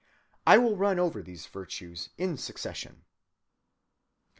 I will run over these virtues in succession.